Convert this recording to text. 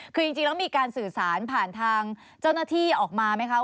คือจริงแล้วมีการสื่อสารผ่านทางเจ้าหน้าที่ออกมาไหมคะ